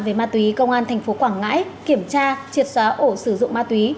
về ma túy công an tp quảng ngãi kiểm tra triệt xóa ổ sử dụng ma túy